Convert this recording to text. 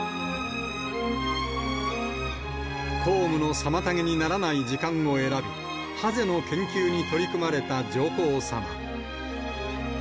公務の妨げにならない時間を選び、ハゼの研究に取り組まれた上皇さま。